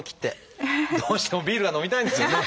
どうしてもビールが飲みたいんですよね。